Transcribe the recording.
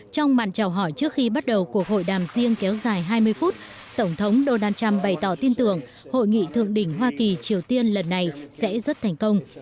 trong màn trào hỏi trước khi bắt đầu cuộc hội đàm riêng kéo dài hai mươi phút tổng thống donald trump bày tỏ tin tưởng hội nghị thượng đỉnh hoa kỳ triều tiên lần này sẽ rất thành công